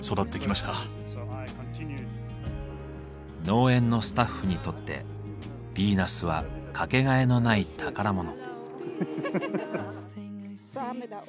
農園のスタッフにとってヴィーナスは掛けがえのない宝物。